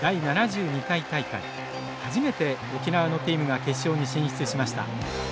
初めて沖縄のチームが決勝に進出しました。